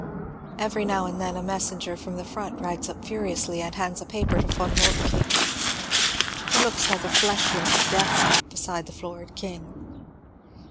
Eveiy now and then a mes senger from the front rides up furiously and hands a paper to Yon Moltke, — who looks like a fleshless death Vhead beside the florid King.